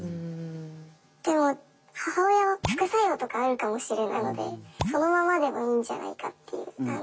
でも母親は副作用とかあるかもしれないのでそのままでもいいんじゃないかっていう。